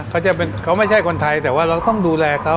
เขาไม่ใช่คนไทยแต่ว่าเราต้องดูแลเขา